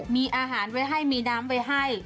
มีอาหารไว้ให้มีน้ำไว้ให้